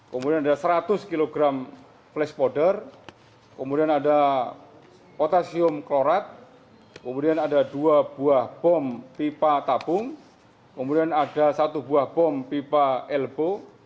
kemudian ada seratus kg flash powder kemudian ada potasium klorat kemudian ada dua buah bom pipa tabung kemudian ada satu buah bom pipa elbo